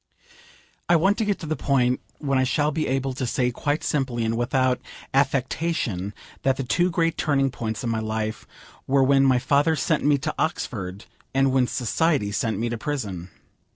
I want to get to the point when I shall be able to say quite simply, and without affectation that the two great turning points in my life were when my father sent me to Oxford, and when society sent me to prison.